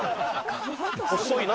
細いな。